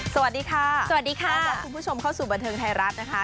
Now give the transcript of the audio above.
สวัสดีค่ะสวัสดีค่ะรับคุณผู้ชมเข้าสู่บันเทิงไทยรัฐนะคะ